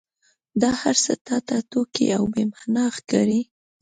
دا هرڅه تا ته ټوکې او بې معنا ښکاري.